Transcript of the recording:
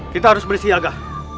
kita harus bersiaga